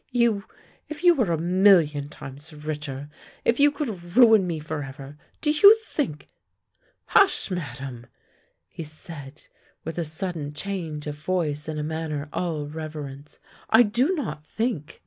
"You! If you were a million times richer, if you could ruin me forever, do you think "" Hush, Madame! " he said, with a sudden change of voice and a manner all reverence. " I do not think.